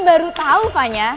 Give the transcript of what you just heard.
baru tau fanya